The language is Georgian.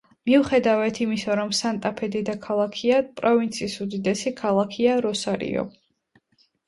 მიუხედავად იმისა, რომ სანტა-ფე დედაქალაქია, პროვინციის უდიდესი ქალაქია როსარიო.